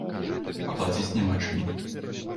А плаціць няма чым.